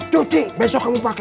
cuci besok kamu pake